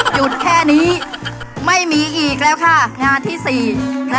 หยุดแค่นี้ไม่มีอีกแล้วค่ะงานที่สี่